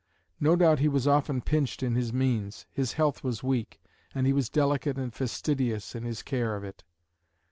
No doubt he was often pinched in his means; his health was weak, and he was delicate and fastidious in his care of it.